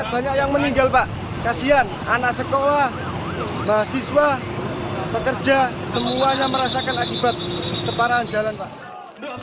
banyak yang meninggal pak kasian anak sekolah mahasiswa pekerja semuanya merasakan akibat keparahan jalan pak